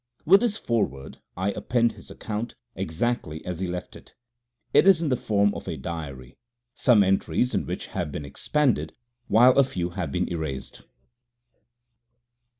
With this foreword I append his account exactly as he left it. It is in the form of a diary, some entries in which have been expanded, while a few have been erased.